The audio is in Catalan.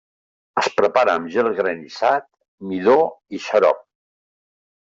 Es prepara amb gel granissat, midó i xarop.